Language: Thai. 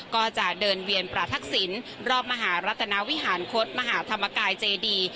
ก็จะเดินเวียนประทักษิณรอบมหารัตนาวิหารคตมหาธรรมกายเจดี